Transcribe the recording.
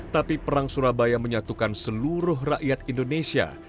tapi perang surabaya menyatukan seluruh rakyat indonesia